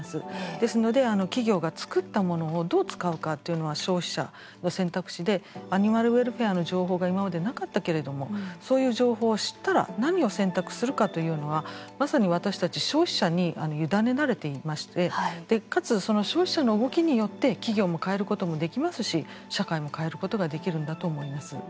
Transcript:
ですので企業が作ったものをどう使うかっていうのは消費者の選択肢でアニマルウェルフェアの情報が今までなかったけれどもそういう情報を知ったら何を選択するかというのはまさに私たち消費者に委ねられていましてかつその消費者の動きによって企業も変えることもできますし社会も変えることができるんだと思います。